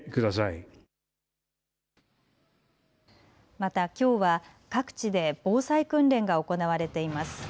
また、きょうは各地で防災訓練が行われています。